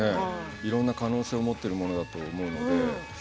いろんな可能性を持ってるものだと思うので。